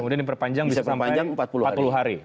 kemudian diperpanjang bisa sampai empat puluh hari